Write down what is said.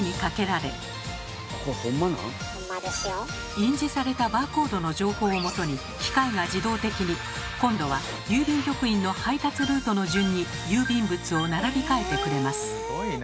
印字されたバーコードの情報をもとに機械が自動的に今度は郵便局員の配達ルートの順に郵便物を並び替えてくれます。